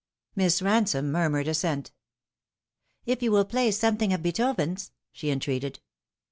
Miss Eansome murmured assent. " If you will play something of Beethoven's," she entreated.